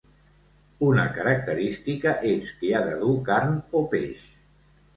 Una característica és que ha de dur carn o peix.